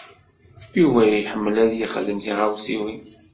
Yuba iḥemmel ad yexdem tiɣawsiwin.